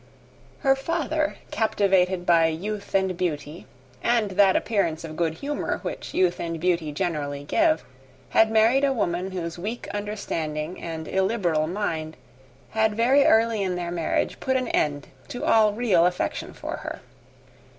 Her father, captivated by youth and beauty, and that appearance of good humour which youth and beauty generally give, had married a woman whose weak understanding and illiberal mind had very early in their marriage put an end to all real affection for her.